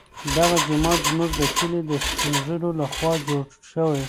دغه جومات زموږ د کلي د سپین ږیرو لخوا جوړ شوی.